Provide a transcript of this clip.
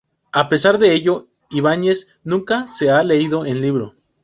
A pesar de ello, Ibáñez nunca se ha leído el libro.